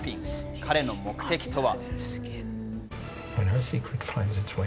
彼の目的とは？